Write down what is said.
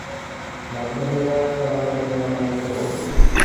বাধ্য হইয়া জাতিগত নিয়ম মানিতে হয়।